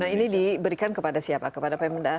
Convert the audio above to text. nah ini diberikan kepada siapa kepada pemda